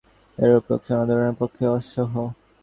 এরূপ লোকসান অধরলালের পক্ষে অসহ্য।